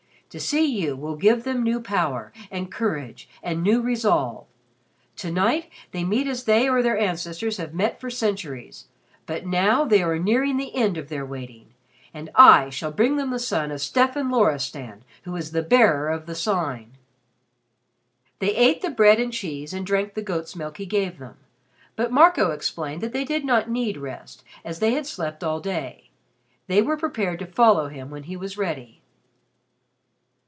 To see you will give them new power and courage and new resolve. To night they meet as they or their ancestors have met for centuries, but now they are nearing the end of their waiting. And I shall bring them the son of Stefan Loristan, who is the Bearer of the Sign!" They ate the bread and cheese and drank the goat's milk he gave them, but Marco explained that they did not need rest as they had slept all day. They were prepared to follow him when he was ready.